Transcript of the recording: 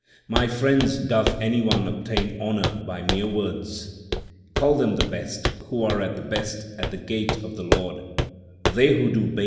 My friends, doth any one obtain honour by mere words ? Call them the best, who are the best at the gate of the Lord ; they who do base acts sit and weep.